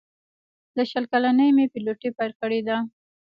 له شل کلنۍ مې پیلوټي پیل کړې ده.